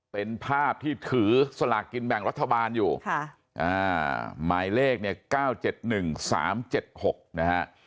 เป็นภาพที่ถือสลากกินแบ่งรัฐบาลอยู่หมายเลขเนี่ย๙๗๑๓๗๖นะฮะ